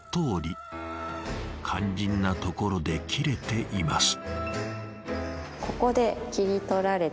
肝心なところで切れています。